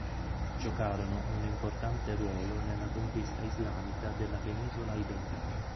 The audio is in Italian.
Giocarono un importante ruolo nella conquista islamica della penisola iberica.